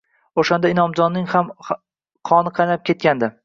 O`shanda Inomjonning ham ham qoni qaynab ketgandi